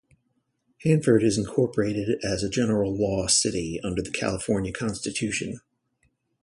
Hanford is incorporated as a general law city under the California Constitution.